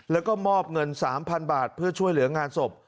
แล้วก็มอบเงิน๓๐๐๐บาทเพื่อช่วยเหลืองานศพ